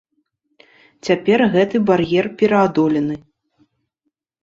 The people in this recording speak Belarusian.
Цяпер гэты бар'ер пераадолены.